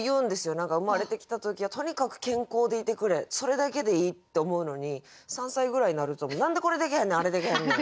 何か生まれてきた時は「とにかく健康でいてくれそれだけでいい」って思うのに３歳ぐらいになると「何でこれできへんねんあれできへんねん。